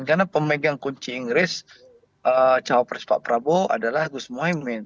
karena pemegang kunci inggris cawapres pak prabowo adalah gus muhaymin